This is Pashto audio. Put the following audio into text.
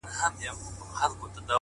دا رومانتيك احساس دي خوږ دی گراني ـ